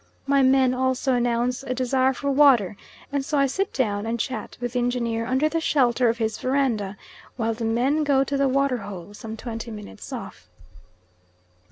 My men also announce a desire for water, and so I sit down and chat with the engineer under the shelter of his verandah, while the men go to the water hole, some twenty minutes off.